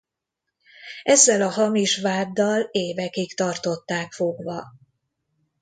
Ezzel a hamis váddal évekig tartották fogva.